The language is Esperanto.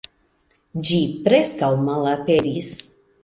Ĝi preskaŭ malaperis.